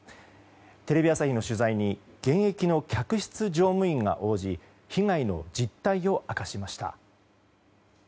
テレビ朝日の取材に現役の客室乗務員が応じ被害の実態を明かしました。